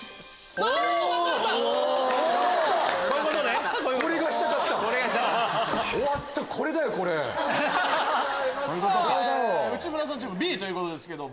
さぁ内村さんチームＢということですけども。